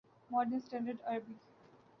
modern standard Arabi